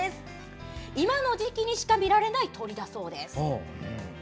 今の時期にしか見られない鳥だそうです。